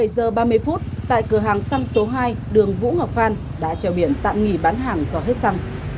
một mươi giờ ba mươi phút tại cửa hàng xăng số hai đường vũ ngọc phan đã treo biển tạm nghỉ bán hàng do hết xăng